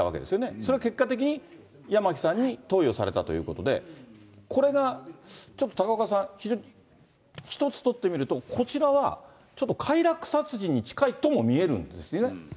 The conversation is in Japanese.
それは結果的に八巻さんに投与されたということで、これがちょっと高岡さん、一つ取って見ると、こちらはちょっと快楽殺人に近いとも見えるんですよね？